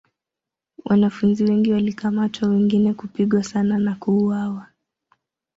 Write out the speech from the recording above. Wanafunzi wengi walikamatwa wengine kupigwa sana na kuuawa.